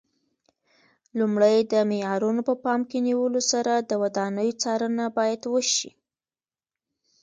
لومړی د معیارونو په پام کې نیولو سره د ودانیو څارنه باید وشي.